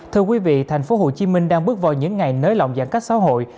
thưa quý vị thành phố hồ chí minh đang bước vào những ngày nới lỏng giãn cách xã hội